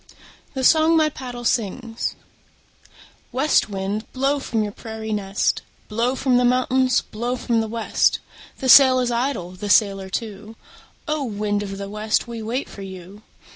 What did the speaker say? THE SONG MY PADDLE SINGS West wind, blow from your prairie nest, Blow from the mountains, blow from the west. The sail is idle, the sailor too; O! wind of the west, we wait for you.